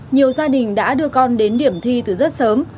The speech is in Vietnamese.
nhiều gia đình đã đưa con đến điểm thi từ rất sớm